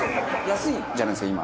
安いじゃないですか